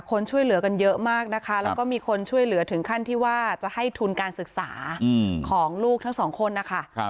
คนช่วยเหลือกันเยอะมากนะคะแล้วก็มีคนช่วยเหลือถึงขั้นที่ว่าจะให้ทุนการศึกษาของลูกทั้งสองคนนะคะ